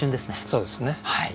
そうですね。